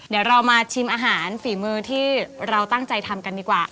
เดี๋ยวเรามาชิมอาหารฝีมือที่เราตั้งใจทำกันดีกว่า